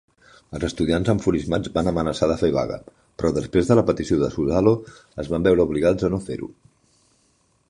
Els estudiants enfurismats van amenaçar de fer vaga, però després de la petició de Suzzalo es van veure obligats a no fer-ho.